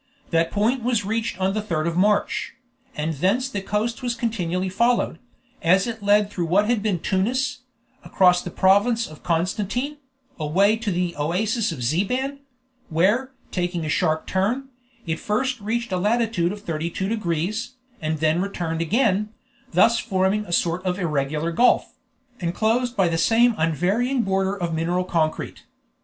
That point was reached on the 3rd of March, and thence the coast was continuously followed, as it led through what had been Tunis, across the province of Constantine, away to the oasis of Ziban; where, taking a sharp turn, it first reached a latitude of 32 degrees, and then returned again, thus forming a sort of irregular gulf, enclosed by the same unvarying border of mineral concrete.